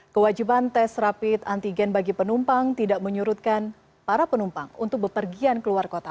kewajiban tes rapid antigen bagi penumpang tidak menyurutkan para penumpang untuk bepergian keluar kota